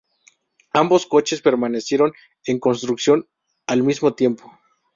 Ambos coches permanecieron en construcción al mismo tiempo.